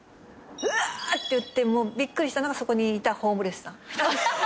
うわっていってびっくりしたのがそこにいたホームレスさん。